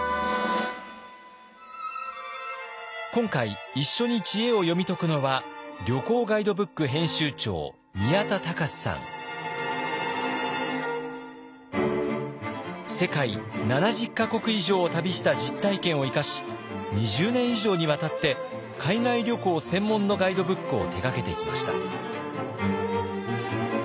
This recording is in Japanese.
今回一緒に知恵を読み解くのは世界７０か国以上を旅した実体験を生かし２０年以上にわたって海外旅行専門のガイドブックを手がけてきました。